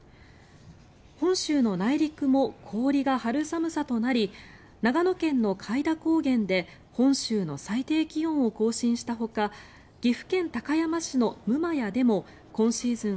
本州の内陸も氷が張る寒さとなり長野県の開田高原で本州の最低気温を更新したほか岐阜県高山市の六厩でも今シーズン